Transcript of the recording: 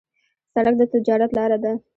سړک د تجارت لاره ده.